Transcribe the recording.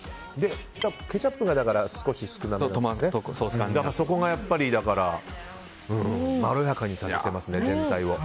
ケチャップが少し少なめでそこがまろやかにされてますね、全体を。